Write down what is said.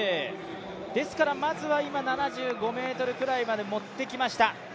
ですからまずは、今７５ｍくらいまでもってきました。